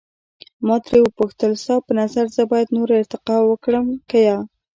ما ترې وپوښتل، ستا په نظر زه باید نوره ارتقا وکړم که یا؟